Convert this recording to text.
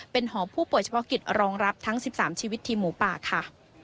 เป็นหอผู้ป่วยเฉพาะกิจรองรับทั้ง๑๓ชีวิตทีมหมูป่าค่ะ